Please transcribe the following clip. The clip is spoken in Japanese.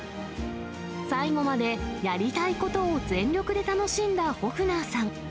最後までやりたいことを全力で楽しんだホフナーさん。